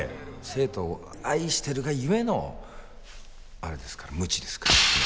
生徒を愛してるがゆえのあれですからムチですから。